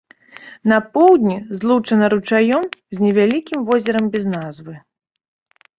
На поўдні злучана ручаём з невялікім возерам без назвы.